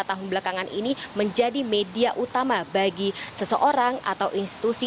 tahun belakangan ini menjadi media utama bagi seseorang atau institusi